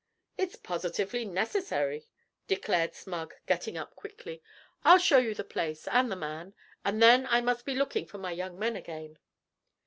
'It's positively necessary,' declared Smug, getting up quickly. 'I'll show you the place, and the man; and then I must be looking for my young men again.'